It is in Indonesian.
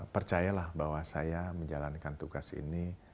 percayalah bahwa saya menjalankan tugas ini